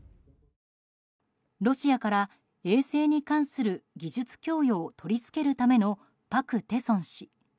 ロシアから衛星に関する技術供与を取り付けるためのパク・テソン氏。